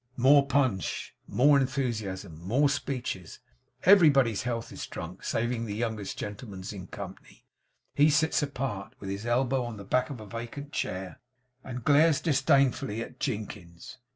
More punch, more enthusiasm, more speeches. Everybody's health is drunk, saving the youngest gentleman's in company. He sits apart, with his elbow on the back of a vacant chair, and glares disdainfully at Jinkins.